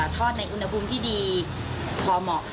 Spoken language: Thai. ทอดในอุณหภูมิที่ดีพอเหมาะ